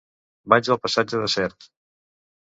Vaig al passatge de Sert.